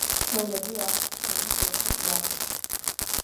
ჩვეულებრივ აქვთ თხემის ერთი ძვალი.